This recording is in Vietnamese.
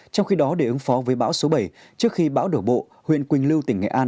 trong khi đó để ứng phó với bão số bảy trước khi bão đổ bộ huyện quỳnh lưu tỉnh nghệ an